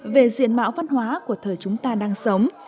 về diện mạo văn hóa của thời chúng ta đang sống